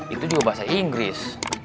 itu juga bahasa inggris